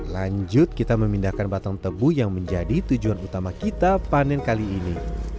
lanjut kita memindahkan batang tebu yang menjadi tujuan utama kita panen kali ini